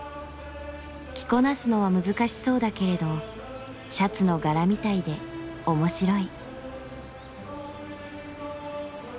着こなすのは難しそうだけれどシャツの柄みたいで面白い。